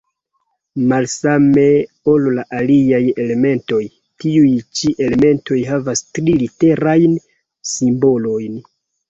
Malsame ol la aliaj elementoj, tiuj ĉi elementoj havas tri-literajn simbolojn.